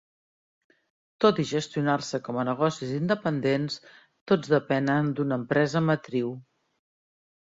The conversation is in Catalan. Tot i gestionar-se com a negocis independents, tots depenen d'una empresa matriu.